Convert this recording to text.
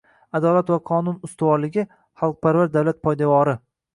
Adolat va qonun ustuvorligi - xalqparvar davlat poydevori.